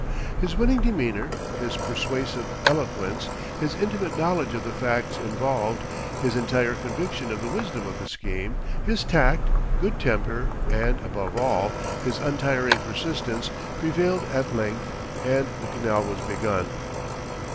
His winning demeanor, his persuasive eloquence, his intimate knowledge of the facts involved, his entire conviction of the wisdom of the scheme, his tact, good temper, and, above all, his untiring persistence, prevailed at length, and the canal was begun.